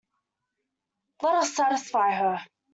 Let us satisfy her.